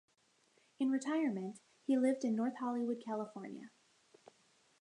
In retirement, he lived in North Hollywood, California.